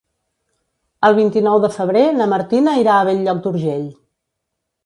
El vint-i-nou de febrer na Martina irà a Bell-lloc d'Urgell.